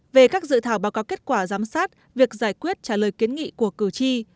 về các dự thảo báo cáo kết quả giám sát việc giải quyết trả lời kiến nghị của cử tri